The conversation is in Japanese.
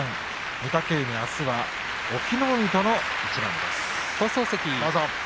御嶽海あすは隠岐の海との一番です。